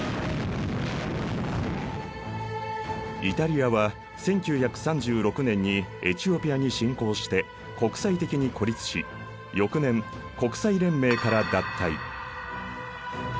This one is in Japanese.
イタリアは１９３６年にエチオピアに侵攻して国際的に孤立し翌年国際連盟から脱退。